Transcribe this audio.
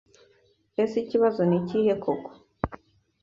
Ese Ikibazo nikihe koko?